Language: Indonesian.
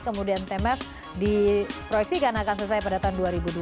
kemudian temf di proyeksi akan selesai pada tahun dua ribu dua puluh dua